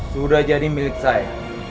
sudah jadi milik saya